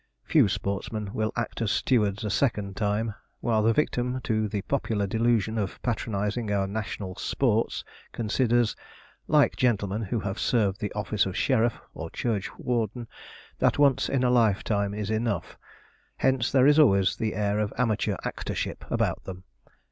Few sportsmen will act as stewards a second time; while the victim to the popular delusion of patronizing our 'national sports' considers like gentlemen who have served the office of sheriff, or church warden that once in a lifetime is enough; hence, there is always the air of amateur actorship about them.